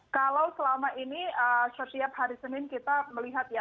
kalau selama ini setiap hari senin kita melihat ya